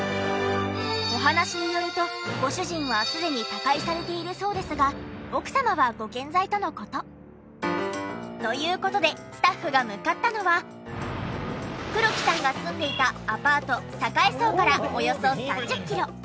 お話によるとご主人はすでに他界されているそうですが奥様はご健在との事。という事でスタッフが向かったのは黒木さんが住んでいたアパート栄荘からおよそ３０キロ。